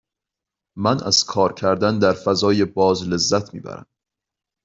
من از کار کردن در فضای باز لذت می برم.